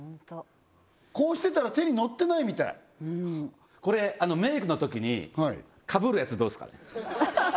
こうしてたら手に乗ってないみたいこれメイクのときにかぶるやつどうですかね？